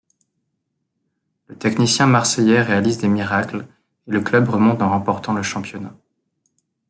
Le technicien marseillais réalise des miracles et le club remonte en remportant le championnat.